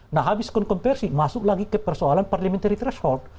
nah habis kontroversi masuk lagi ke persoalan parliamentary threshold